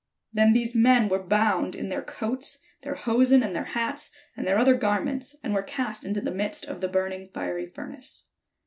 Then these men were bound in their coats, their hosen, and their hats, and their other garments, and were cast into the midst of the burning fiery furnace.